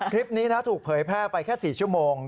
คลิปนี้ถูกเผยแพร่ไปแค่๔ชั่วโมง